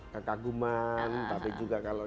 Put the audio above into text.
kekaguman tapi juga kalau